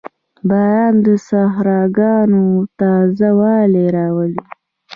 • باران د صحراګانو تازهوالی راولي.